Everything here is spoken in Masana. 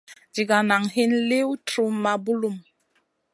Ɗiga nan hin liw truhma bulum.